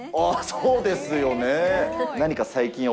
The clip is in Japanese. そうですよね。